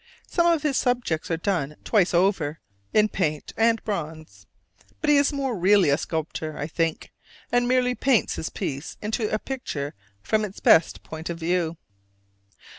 Some of his subjects are done twice over, in paint and bronze: but he is more really a sculptor, I think, and merely paints his piece into a picture from its best point of view.